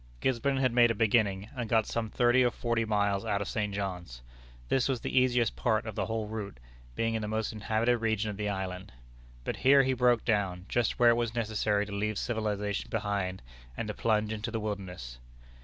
Gisborne had made a beginning, and got some thirty or forty miles out of St. John's. This was the easiest part of the whole route, being in the most inhabited region of the island. But here he broke down, just where it was necessary to leave civilization behind, and to plunge into the wilderness.